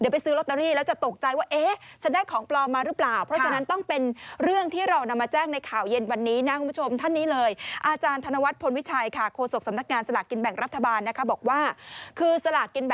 เพราะว่าเดี๋ยวประชาชนคนไทยเนี่ย